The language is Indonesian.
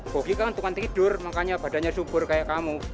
bogi kan bukan tidur makanya badannya subur kayak kamu